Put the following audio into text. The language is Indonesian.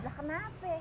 lah kenapa ya